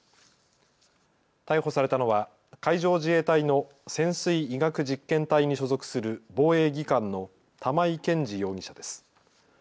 逮捕されたのは海上自衛隊の潜水医学実験隊に所属する防衛技官の玉井研志容疑者です。